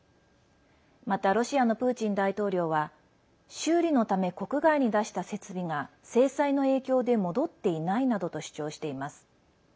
また、ロシアのプーチン大統領は修理のため、国外に出した設備が制裁の影響で戻っていないなどと主張しています。